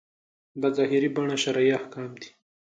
دا ظاهري بڼه شرعي احکام دي.